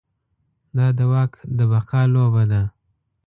دا د واک د بقا لوبه ده.